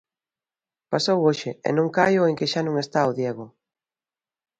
Pasou hoxe e non caio en que xa non está o Diego.